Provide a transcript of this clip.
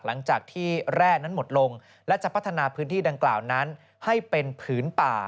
หลังจากที่แร่นั้นหมดลงและจะพัฒนาพื้นที่ดังกล่าวนั้นให้เป็นผืนป่า